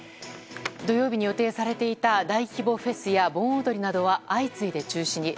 土曜日に予定されていた大規模フェスや盆踊りなどは相次いで中止に。